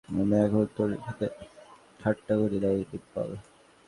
আমি কখনই তোর সাথে ঠাট্টা করি নাই, ডিম্পল!